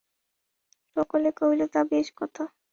সকলে কহিল–তা বেশ কথা।